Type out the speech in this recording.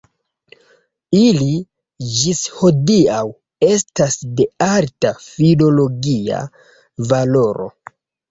Ili ĝis hodiaŭ estas de alta filologia valoro.